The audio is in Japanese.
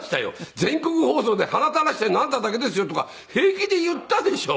全国放送で「洟垂らしているのあんただけですよ」とか平気で言ったでしょ。